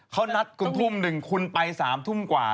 เขานัดคุณทุ่มหนึ่งคุณไป๓ทุ่มกว่า